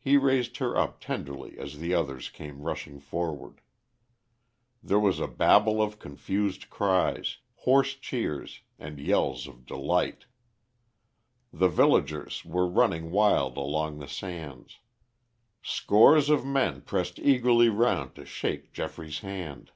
He raised her up tenderly as the others came rushing forward. There was a babel of confused cries, hoarse cheers, and yells of delight. The villagers were running wild along the sands. Scores of men pressed eagerly round to shake Geoffrey's hand.